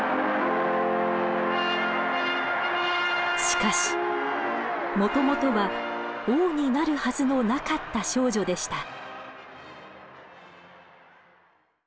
しかしもともとは王になるはずのなかった少女でした。